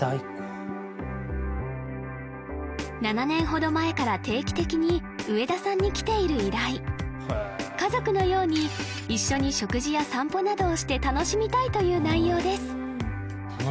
７年ほど前から定期的に植田さんに来ている依頼家族のように一緒に食事や散歩などをして楽しみたいという内容です